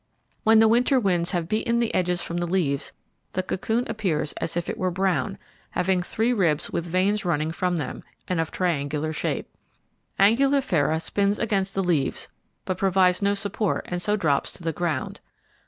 When the winter winds have beaten the edges from the leaves, the cocoon appears as if it were brown, having three ribs with veins running from them, and of triangular shape. Angulifera spins against the leaves but provides no support and so drops to the ground.